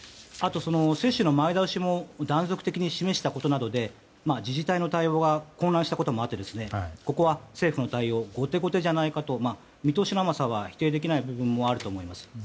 あと、接種の前倒しも断続的に示したことなどで自治体の対応が混乱したこともあって、ここは政府の対応が後手後手じゃないかと見通しの甘さは否定できない部分もあると思うんです。